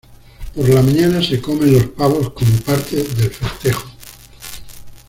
Por la mañana, se comen los pavos como parte del festejo.